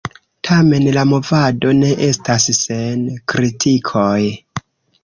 Tamen la movado ne estas sen kritikoj.